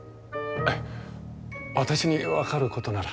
ええ私に分かることなら。